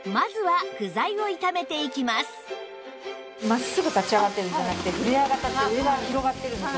まずは真っすぐ立ち上がってるんじゃなくてフレア型って上が広がってるんですよ。